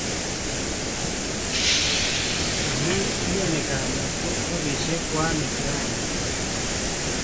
amu imiani kamet ko chapishe kwanit raini